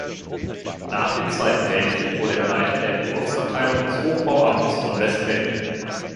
Nach dem Zweiten Weltkrieg wurde er Leiter der Entwurfsabteilung des Hochbauamtes von West-Berlin.